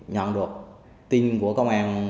nhận được tin của công an